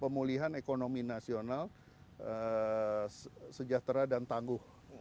pemulihan ekonomi nasional sejahtera dan tangguh